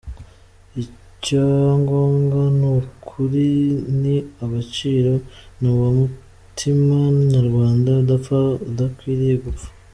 Icya ngombwa ni ukuri, ni agaciro, ni wa mutima Nyarwanda udapfa, udakwiriye gupfa.